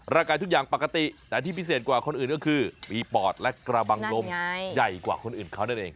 ร่างกายทุกอย่างปกติแต่ที่พิเศษกว่าคนอื่นก็คือมีปอดและกระบังลมใหญ่กว่าคนอื่นเขานั่นเอง